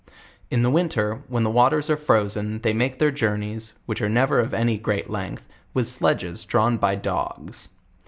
In the winter, when the waters are frozen they make their journeys, which ars never of any great length, with sledges drawn by dogs.